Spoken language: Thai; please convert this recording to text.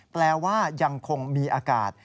แปลว่ายังคงมีอากาศ